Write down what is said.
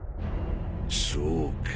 そうか。